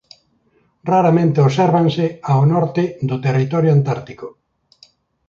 Raramente obsérvanse ao norte do territorio antártico.